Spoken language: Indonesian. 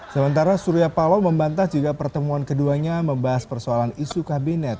sementara suriapaloh membantah juga pertemuan keduanya membahas persoalan isu kabinet